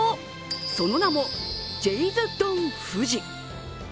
その名も、ジェイズ丼富士。